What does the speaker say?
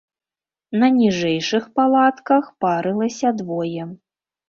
На ніжэйшых палатках парылася двое.